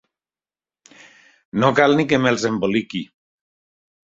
No cal ni que me'ls emboliqui.